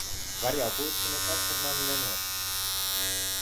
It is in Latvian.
Var jau būt, ka nekas ar mani nenotiku.